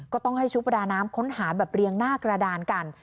ก็ต้องให้ชุดประดาน้ำค้นหาแบบเรียงหน้ากระดานกัน